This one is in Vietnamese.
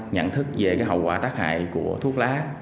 nhận thức về hậu quả tác hại của thuốc lá